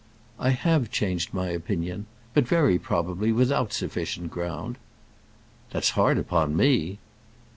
"I have changed my opinion; but very probably without sufficient ground." "That's hard upon me."